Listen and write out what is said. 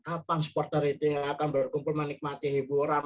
kapan supporter itu yang akan berkumpul menikmati hiburan